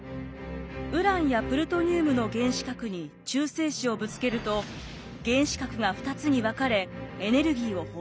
ウランやプルトニウムの原子核に中性子をぶつけると原子核が２つに分かれエネルギーを放出。